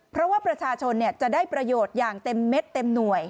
เพราะว่าประชาชนจะได้ประโยชน์อย่างเต็มเม็ดเต็มหน่วย